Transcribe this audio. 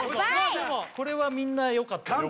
でもこれはみんなよかったよ